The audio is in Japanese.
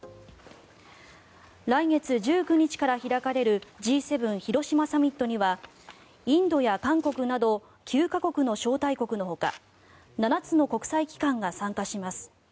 来月１９日から開かれるＧ７広島サミットにはインドや韓国など９か国の招待国のほか７つの国際機関が参加します。